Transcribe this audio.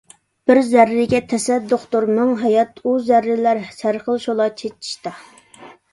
بىر زەررىگە تەسەددۇقتۇر مىڭ ھايات، ئۇ زەررىلەر سەرخىل شولا چېچىشتا ...